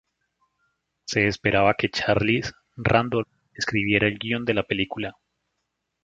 Se esperaba que Charles Randolph escribiera el guion de la película.